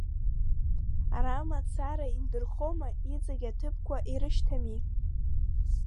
Ара мацара индырхома, иҵегь аҭыԥқәа ирышьҭами.